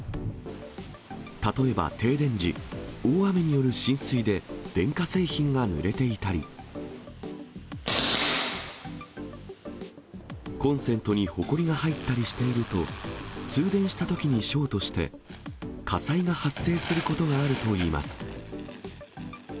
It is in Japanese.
例えば停電時、大雨による浸水で電化製品がぬれていたり、コンセントにほこりが入ったりしていると、通電したときにショートして、火災が発生することがあるといいます。